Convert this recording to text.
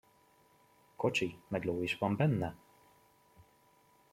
Kocsi meg ló is van benne?